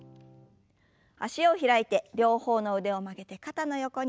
脚を開いて両方の腕を曲げて肩の横に。